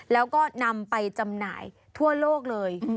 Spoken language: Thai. แล้วก็นำไปจำหน่ายทั่วโลกเลย